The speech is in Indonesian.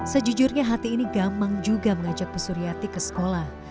sejujurnya hati ini gampang juga mengajak bu suryati ke sekolah